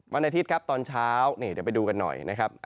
วันอาทิตย์ครับตอนเช้านี่เดี๋ยวไปดูกันหน่อยนะครับ